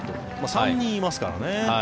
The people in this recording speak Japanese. ３人いますからね。